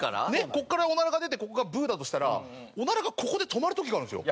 ここからオナラが出てここがブッだとしたらオナラがここで止まる時があるんですよ。